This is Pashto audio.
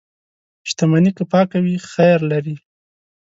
• شتمني که پاکه وي، خیر لري.